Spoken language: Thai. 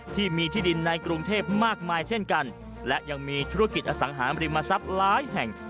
ที่มีที่ดินในกรุงเทพมากมายเช่นกันและยังมีธุรกิจอสังหาริมทรัพย์หลายแห่ง